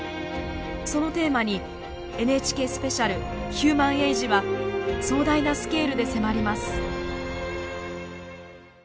そのテーマにＮＨＫスペシャル「ヒューマン・エイジ」は壮大なスケールで迫ります。